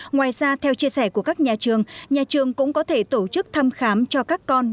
ngoài ra theo chia sẻ của các nhà trường nhà trường cũng có thể tổ chức thăm khám cho các con